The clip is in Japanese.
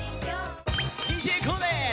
ＤＪＫＯＯです！